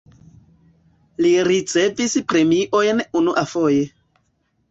Li ricevis premiojn unuafoje.